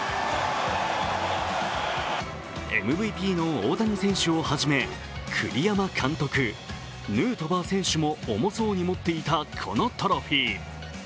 ＭＶＰの大谷選手を初め、栗山監督、ヌートバー選手も重そうに持っていたこのトロフィー。